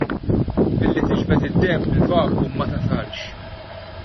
Billi tiġbed id-demm bil-vacuum ma tasalx.